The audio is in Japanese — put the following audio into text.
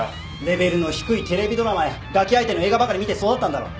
レベルの低いテレビドラマやがき相手の映画ばかり見て育ったんだろう。